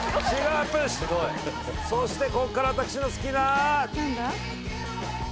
そしてこっから私の好きな。